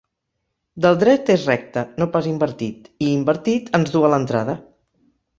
Del dret és recte, no pas invertit, i invertit ens du a l'entrada.